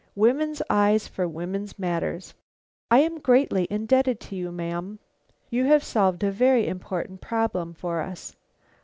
"Women's eyes for women's matters! I am greatly indebted to you, ma'am. You have solved a very important problem for us.